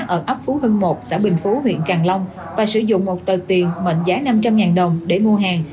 ở ấp phú hưng một xã bình phú huyện càng long và sử dụng một tờ tiền mệnh giá năm trăm linh đồng để mua hàng